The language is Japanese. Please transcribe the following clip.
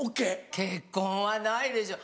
結婚はないでしょ